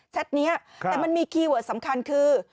นี้แต่มันมีคีย์เวิร์ดสำคัญคือ